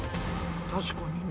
確かにね。